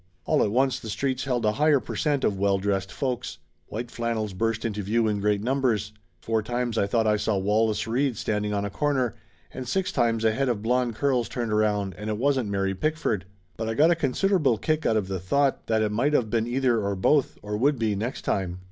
All at once the streets held a higher per cent of well dressed folks. White flannels burst into view in great numbers. Four times I thought I saw Wallace Reid standing on a corner, and six times a head of blond curls turned around and it wasn't Mary Pick ford. But I got considerable kick out of the thought 76 Laughter Limited that it might of been either or both, or would be, next time.